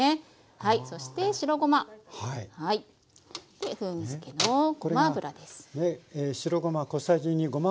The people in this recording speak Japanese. で風味付けのごま油です。